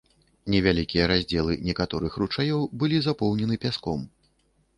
Невялікія раздзелы некаторых ручаёў былі запоўнены пяском.